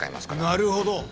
なるほど。